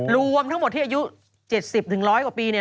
รวมทั้งหมดที่อายุ๗๐ถึง๑๐๐กว่าปี